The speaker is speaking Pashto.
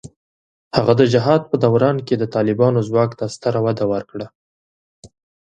هغه د جهاد په دوران کې د طالبانو ځواک ته ستره وده ورکړه.